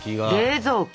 冷蔵庫！